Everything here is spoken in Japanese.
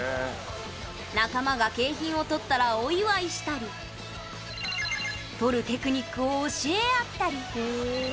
仲間が景品をとったらお祝いしたりとるテクニックを教え合ったり。